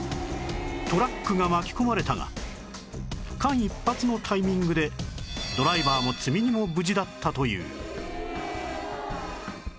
トラックが巻き込まれたが間一髪のタイミングでドライバーも積み荷も無事だったという